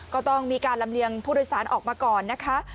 ก็ต้องมีการลำเลียงผู้โดยสารออกมาก่อนนะคะ